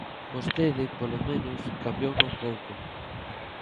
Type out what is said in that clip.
Vostede, polo menos, cambiouna un pouco.